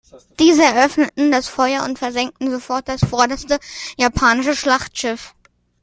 Diese eröffneten das Feuer und versenkten sofort das vorderste japanische Schlachtschiff.